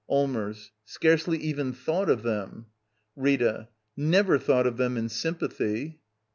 Allmers. Scarcely even thought of them. Rita. Never thought of them in sjrmpathy.